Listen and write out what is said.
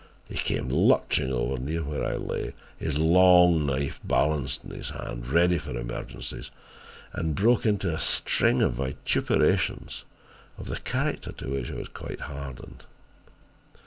He came lurching over near where I lay, his long knife balanced in his hand ready for emergencies, and broke into a string of vituperations of the character to which I was quite hardened.